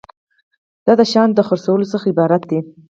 دا د شیانو د خرڅولو څخه عبارت دی.